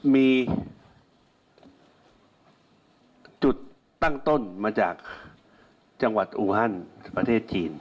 มีจุดตั้งต้นมาจากจังหวัดอูฮันประเทศจีน